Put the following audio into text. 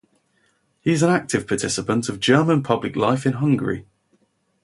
He is an active participant of German public life in Hungary.